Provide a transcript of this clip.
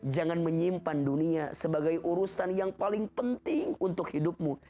jangan menyimpan dunia sebagai urusan yang paling penting untuk hidupmu